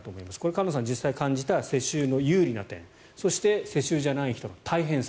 菅野さん、実際に感じた世襲の有利な点そして世襲じゃない人の大変さ